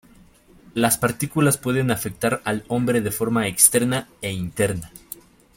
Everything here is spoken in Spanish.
Las partículas pueden afectar al hombre de forma externa e interna.